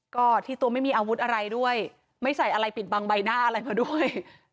ก็ที่ตัวไม่มีอาวุธอะไรด้วยไม่ใส่อะไรปิดบังใบหน้าอะไรมาด้วย